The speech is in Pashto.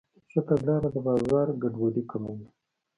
ښه تګلاره د بازار ګډوډي کموي.